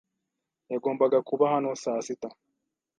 Yagombaga kuba hano saa sita.